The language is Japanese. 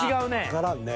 わからんね。